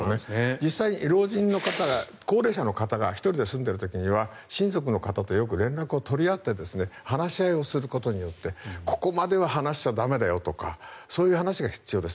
実際に老人の方、高齢者の方が１人で住んでいる時には親族の方とよく連絡を取り合って話し合いをすることによってここまでは話しちゃ駄目だよとかそういう話が必要です。